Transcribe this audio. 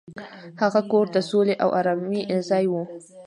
هغه کور د سولې او ارامۍ ځای و.